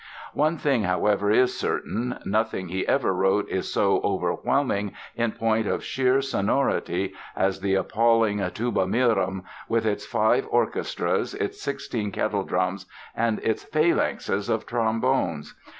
One thing however, is certain—nothing he ever wrote is so overwhelming in point of sheer sonority as the appalling Tuba Mirum, with its five orchestras, its sixteen kettle drums and its phalanxes of trombones.